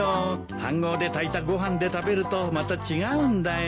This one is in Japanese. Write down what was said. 飯ごうで炊いたご飯で食べるとまた違うんだよ。